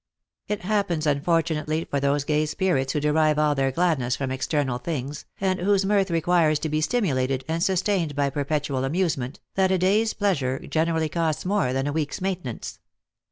It happens unfortunately for those gay spirits who derive all their gladness from external things, and whose mirth requires to be stimulated and sustained by perpetual amusement, that a day's pleasure generally costs more than a week's maintenance.